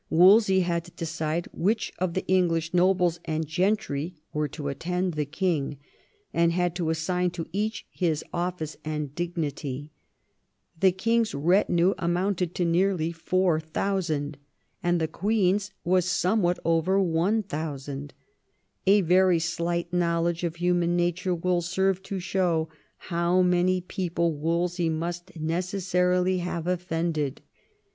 Wolsey had to decide which of the English nobles and gentry were to attend the king, and had to assign to each his office and dignity. The king's retinue amounted to nearly 4000, and the queen's was somewhat over 1000. A very slight knowledge of human nature will serve to show how many people Wolsey must necessarily have offended.